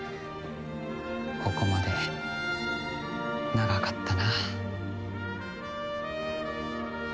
ここまで長かったな。